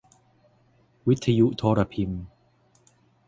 วิทยุโทรพิมพ์